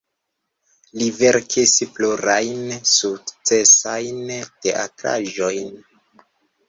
Li verkis plurajn sukcesajn teatraĵojn.